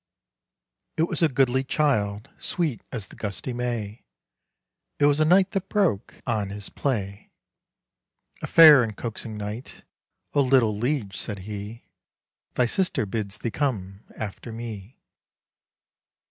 _" It was a goodly child, Sweet as the gusty May; It was a knight that broke On his play, A fair and coaxing knight: "O little liege!" said he, "Thy sister bids thee come After me.